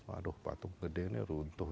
waduh patung gede ini runtuh